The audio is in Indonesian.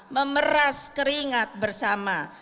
memeras keringat bersama